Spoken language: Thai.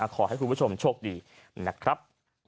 ขอให้คุณผู้ชมโชคดีนะครับ